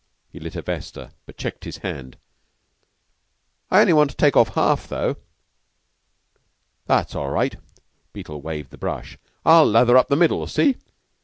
He lit a vesta, but checked his hand. "I only want to take off half, though." "That's all right." Beetle waved the brush. "I'll lather up to the middle see?